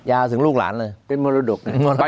ยาวถึงลูกหลานเลยเป็นมรดก